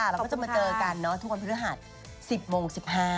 เราก็จะมาเจอกันทุกวันพฤหัส๑๐โมง๑๕